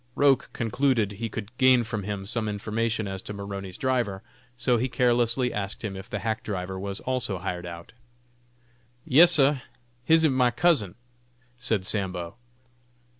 Roch concluded he could gain from him some information as to Maroney's driver, so he carelessly asked him if the hack driver was also hired out. "Yes, sah, him ib my cousin," said Sambo.